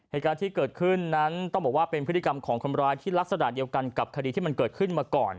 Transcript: เหตุการณ์ที่เกิดขึ้นนั้นต้องบอกว่าเป็นพฤติกรรมของคนร้ายที่ลักษณะเดียวกันกับคดีที่มันเกิดขึ้นมาก่อน